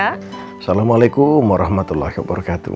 assalamualaikum warahmatullahi wabarakatuh